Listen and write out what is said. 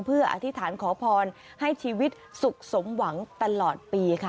เพื่ออธิษฐานขอพรให้ชีวิตสุขสมหวังตลอดปีค่ะ